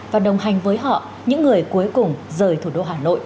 và đồng hành với họ những người cuối cùng rời thủ đô hà nội